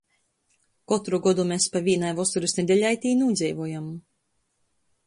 Kotru godu mes pa vīnai vosorys nedeļai tī nūdzeivojam.